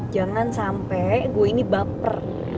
jangan sampai gue ini baper